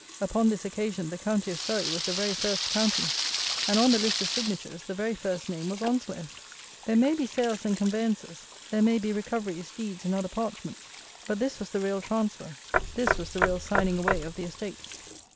Upon this occasion the county of Surrey was the very first county; and on the list of signatures the very first name was Onslow! There may be sales and conveyances; there may be recoveries, deeds, and other parchments; but this was the real transfer; this was the real signing away of the estates.